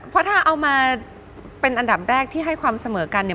เพราะถ้าเอามาเป็นอันดับแรกที่ให้ความเสมอกันเนี่ย